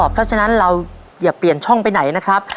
เพราะฉะนั้นเราอย่าเปลี่ยนช่องไปไหนนะครับ